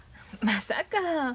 まさか。